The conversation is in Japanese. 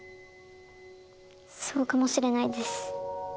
そうかもしれないです。